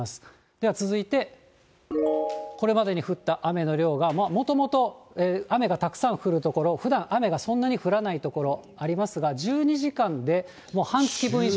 では、続いてこれまでに降った雨の量が、もともと雨がたくさん降る所、ふだん雨がそんなに降らない所ありますが、１２時間で、もう半月分以上。